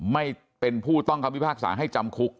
ไม่เป็นผู้ต้องคำพิพากษาให้จำคุก